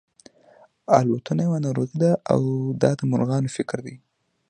الوتنه یوه ناروغي ده دا د مرغانو فکر دی.